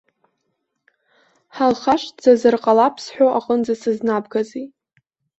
Ҳалхашҭӡазар ҟалап сҳәо аҟынӡа сызнабгазеи?